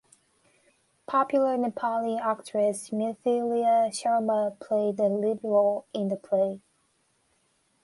Popular Nepali actress Mithila Sharma played the lead role in the play.